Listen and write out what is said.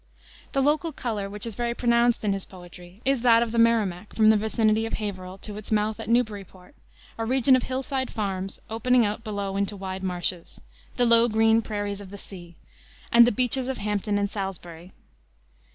The local color, which is very pronounced in his poetry, is that of the Merrimack from the vicinity of Haverhill to its mouth at Newburyport, a region of hillside farms, opening out below into wide marshes "the low, green prairies of the sea," and the beaches of Hampton and Salisbury.